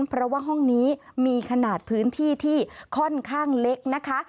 เพราะว่าห้องนี้มีขนาดพื้นที่ที่ค่อนข้างเล็กนะคะ